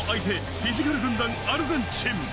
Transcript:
フィジカル軍団アルゼンチン。